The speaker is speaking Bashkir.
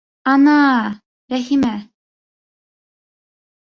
Ана, Рәхимә...